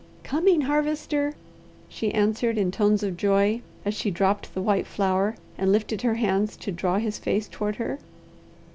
"Coming, Harvester!" she answered in tones of joy, as she dropped the white flower and lifted her hands to draw his face toward her.